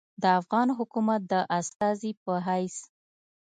د افغان حکومت د استازي پۀ حېث